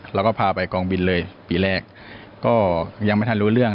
เราก็พาไปกองบินเลยปีแรกก็ยังไม่ทันรู้เรื่อง